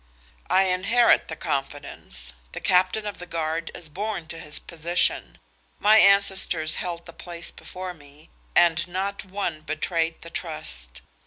"I inherit the confidence. The captain of the guard is born to his position. My ancestors held the place before me, and not one betrayed the trust.